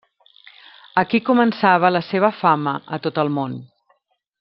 Aquí començava la seva fama a tot el món.